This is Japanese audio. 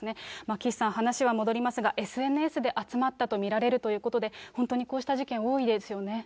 岸さん、話は戻りますが、ＳＮＳで集まったと見られるということで、本当にこうした事件、多いですよね。